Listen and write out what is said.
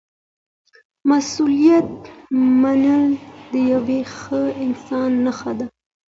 مسؤلیت منل د یو ښه انسان نښه ده.